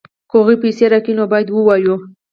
که هغوی پیسې راکوي نو باید ووایو